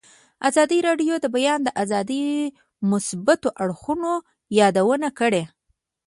ازادي راډیو د د بیان آزادي د مثبتو اړخونو یادونه کړې.